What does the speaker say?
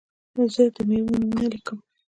زه د میوو نومونه لیکم.